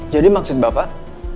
jadi maksud bapak